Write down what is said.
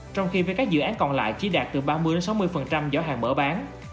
trong khi với các dự án còn lại chỉ đạt từ ba mươi sáu mươi giỏ hàng mở bán